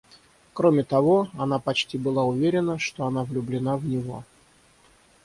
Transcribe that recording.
Кроме того, она почти была уверена, что она влюблена в него.